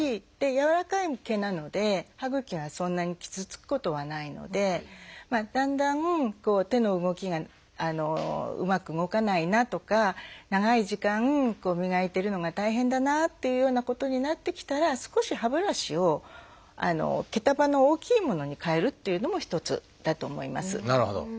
やわらかい毛なので歯ぐきがそんなに傷つくことはないのでだんだん手の動きがうまく動かないなとか長い時間磨いてるのが大変だなっていうようなことになってきたら少し歯ブラシを毛束の大きいものに替えるっていうのも一つだと思います。